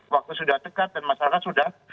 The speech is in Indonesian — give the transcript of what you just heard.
waktu sudah dekat dan masyarakat sudah